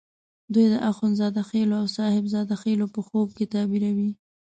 دوی د اخند زاده خېلو او صاحب زاده خېلو په خوب کې تعبیروي.